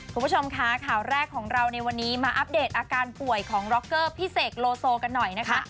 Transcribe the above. คุณผู้ชมค่ะข่าวแรกของเราในวันนี้มาอัปเดตอาการป่วยของร็อกเกอร์พี่เสกโลโซกันหน่อยนะคะ